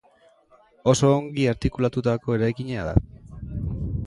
Oso ongi artikulatutako eraikina da.